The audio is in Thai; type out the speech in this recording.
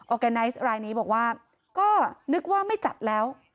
แกไนซ์รายนี้บอกว่าก็นึกว่าไม่จัดแล้ว